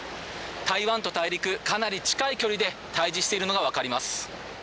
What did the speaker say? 台湾と大陸、かなり近い距離で対峙しているのが分かります。